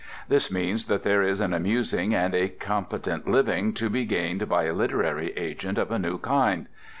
This means that there is an amusing and a competent living to be gained by a literary agent of a new kind.